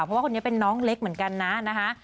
เพราะว่าคนนี้เป็นน้องเล็กเหมือนกันนะนะคะ